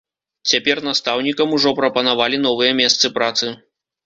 Цяпер настаўнікам ужо прапанавалі новыя месцы працы.